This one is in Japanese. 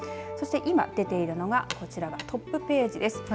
そして今出ているのがこちらがトップページです。